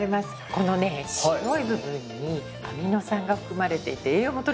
この白い部分にアミノ酸が含まれていて栄養も取れるんですよ。